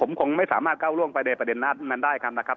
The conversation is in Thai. ผมคงไม่สามารถก้าวล่วงไปในประเด็นนั้นได้ครับนะครับ